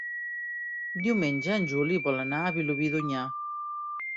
Diumenge en Juli vol anar a Vilobí d'Onyar.